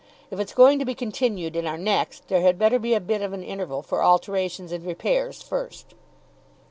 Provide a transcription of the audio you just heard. If it's going to be continued in our next, there had better be a bit of an interval for alterations and repairs first."